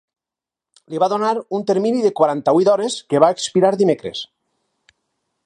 Li va donar un termini de quaranta-vuit hores que va expirar dimecres.